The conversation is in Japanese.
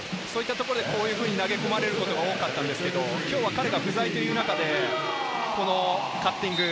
こういうふうに投げ込まれることが多かったんですけど、今日は彼が不在という中で、カッティング。